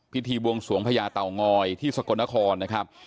พิธีวงศวงภรรยาเต่างอยที่สกรรณครนะครับ